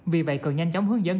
vì vậy cần nhanh chóng hướng dẫn